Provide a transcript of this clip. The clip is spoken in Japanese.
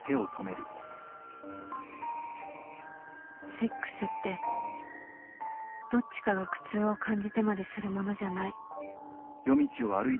セックスってどっちかが苦痛を感じてまでするものじゃない